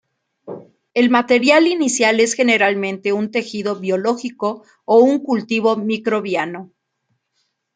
El material inicial es generalmente un tejido biológico o un cultivo microbiano.